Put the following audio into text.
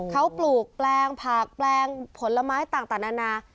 เขาปลูกแปลงผักแปลงผลไม้ต่างนานา